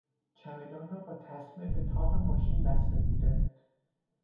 چمدان را با تسمه به طاق ماشین بسته بودند.